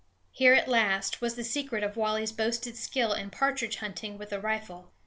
Here, at last, was the secret of Wally's boasted skill in partridge hunting with a rifle.